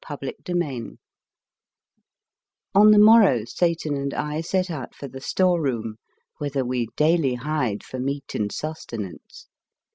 Chapter III ON the morrow Satan and I set out for the store room, whither we daily hied for meat and sustenance.